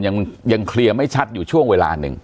ยังเคลียร์ไม่ชัดอยู่ช่วงเวลาหนึ่ง